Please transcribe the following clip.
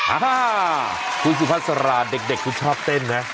อ่าฮ่าครูสุพัสราเด็กคุณชอบต้นไหม